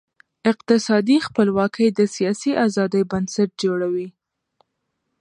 اقتصادي خپلواکي د سیاسي آزادۍ بنسټ جوړوي.